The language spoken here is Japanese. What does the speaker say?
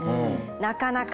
なかなか。